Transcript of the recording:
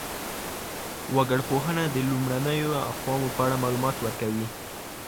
وګړپوهنه د لومړنیو اقوامو په اړه معلومات ورکوي.